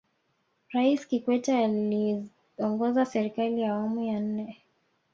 rais kikwete aliongoza serikali ya awamu ya nne